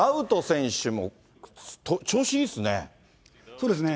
そうですね。